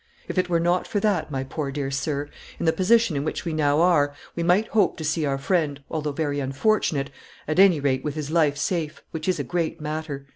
If it were not for that, my poor dear sir, in the position in which we now are, we might hope to see our friend, although very unfortunate, at any rate with his life safe, which is a great matter."